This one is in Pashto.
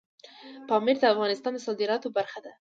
پامیر د افغانستان د صادراتو برخه ده.